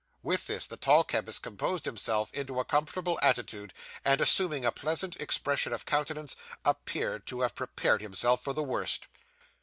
With this, the tall chemist composed himself into a comfortable attitude, and, assuming a pleasant expression of countenance, appeared to have prepared himself for the worst.